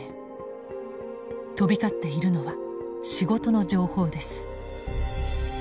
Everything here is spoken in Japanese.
飛び交っているのは仕事の情報です。